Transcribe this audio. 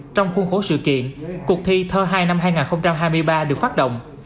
trong khuôn khổ sự kiện cuộc thi thơ hai năm hai nghìn hai mươi ba được phát động